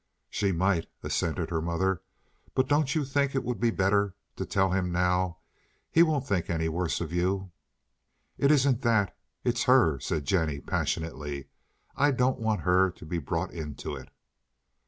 "She might," assented her mother; "but don't you think it would be better to tell him now? He won't think any the worse of you." "It isn't that. It's her," said Jennie passionately. "I don't want her to be brought into it."